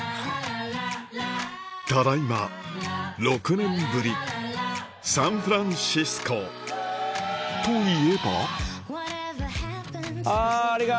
ただいま６年ぶりサンフランシスコといえばああれが。